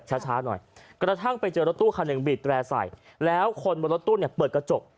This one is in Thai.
ช้าหน่อยกระทั่งไปเจอรถตู้คันหนึ่งบีดแร่ใส่แล้วคนบนรถตู้เนี่ยเปิดกระจก